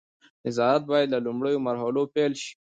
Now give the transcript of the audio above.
نظارت باید له لومړیو مرحلو پیل شي.